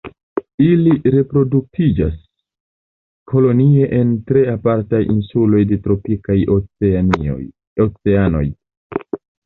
Ili reproduktiĝas kolonie en tre apartaj insuloj de tropikaj oceanoj.